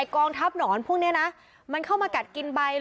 กองทัพหนอนพวกนี้นะมันเข้ามากัดกินใบ